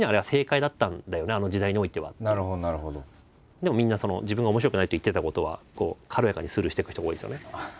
でもみんな自分が「面白くない」って言ってたことは軽やかにスルーしていく人が多いんですよね。